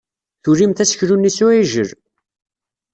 Tulimt aseklu-nni s uɛijel.